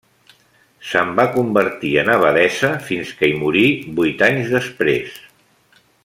Se'n va convertir en abadessa fins que hi morí vuit anys després.